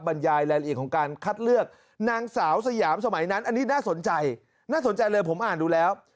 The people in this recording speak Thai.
บรรยายรายละเอียดของการคัดเลือกนางสาวสยามสมัยนั้นอันนี้น่าสนใจน่าสนใจเลยผมอ่านดูแล้ว